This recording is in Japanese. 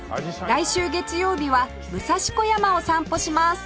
来週月曜日は武蔵小山を散歩します